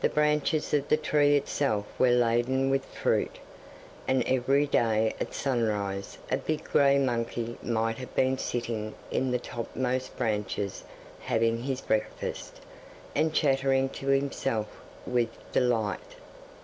The branches of the tree itself were laden with fruit, and every day at sunrise a big grey monkey might have been seen sitting in the topmost branches having his breakfast, and chattering to himself with delight.